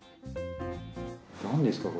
何ですか？